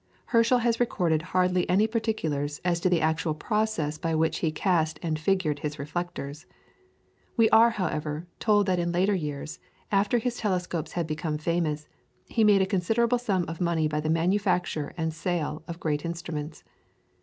Herschel has recorded hardly any particulars as to the actual process by which he cast and figured his reflectors. We are however, told that in later years, after his telescopes had become famous, he made a considerable sum of money by the manufacture and sale of great instruments.